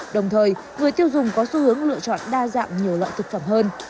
đồng thời người tiêu dùng có xu hướng lựa chọn đa dạng nhiều loại thực phẩm hơn